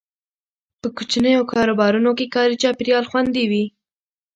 په کوچنیو کاروبارونو کې کاري چاپیریال خوندي وي.